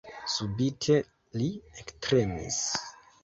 Subite li ektremis.